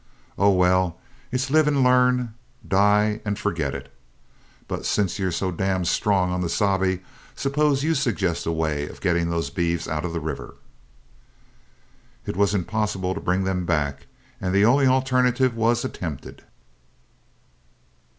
Oh, well, it's live and learn, die and forget it. But since you're so d strong on the sabe, suppose you suggest a way of getting those beeves out of the river." It was impossible to bring them back, and the only alternative was attempted.